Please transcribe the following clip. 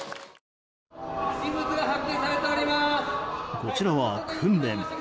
こちらは訓練。